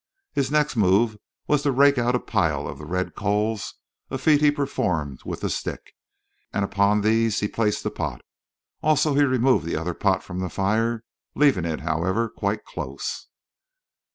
His next move was to rake out a pile of the red coals, a feat he performed with the stick, and upon these he placed the pot. Also he removed the other pot from the fire, leaving it, however, quite close.